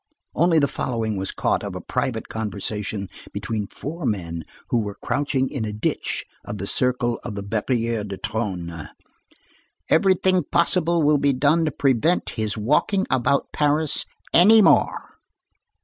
Only the following was caught of a private conversation between four men who were crouching in a ditch of the circle of the Barrière du Trône:— "Everything possible will be done to prevent his walking about Paris any more."